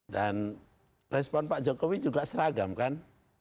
dan respon pak jokowi juga seragam kan